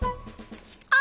あ！